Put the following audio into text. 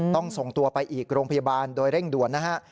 ส่งตัวไปอีกโรงพยาบาลโดยเร่งด่วนนะฮะ